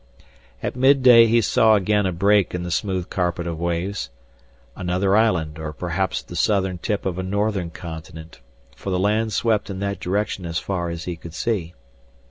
At midday he saw again a break in the smooth carpet of waves, another island, or perhaps the southern tip of a northern continent for the land swept in that direction as far as he could see.